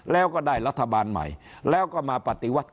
แล้วก็ได้รัฐบาลใหม่แล้วก็มาปฏิวัติ